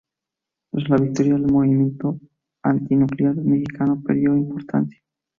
Tras la victoria, el movimiento antinuclear mexicano perdió importancia.